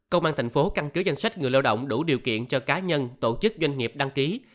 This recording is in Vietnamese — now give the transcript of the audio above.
công an thành phố căn cứ danh sách người lao động đủ điều kiện cho cá nhân tổ chức doanh nghiệp đăng ký